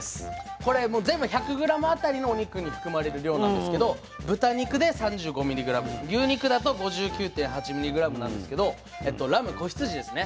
これ全部１００ｇあたりのお肉に含まれる量なんですけど豚肉で３５ｍｇ牛肉だと５９．８ｍｇなんですけどラム子羊ですね。